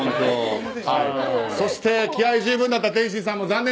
そして気合十分だった天心さんも。